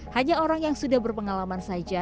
hanya orang yang sudah berpengalaman saja